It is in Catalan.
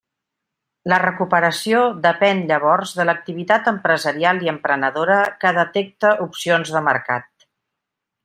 La recuperació depén llavors de l'activitat empresarial i emprenedora que detecta opcions de mercat.